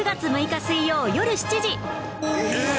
えっ？